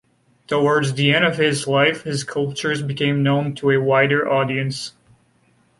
Towards the end of his life his sculptures became known to a wider audience.